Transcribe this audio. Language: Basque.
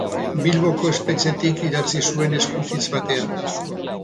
Bilboko espetxetik idatzi zuen eskutitz batean.